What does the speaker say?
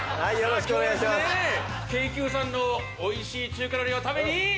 桂宮さんのおいしい中華料理を食べに。